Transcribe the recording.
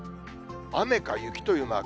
雨か雪というマーク。